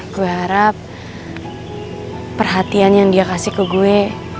gue harap perhatian yang dia kasih ke gue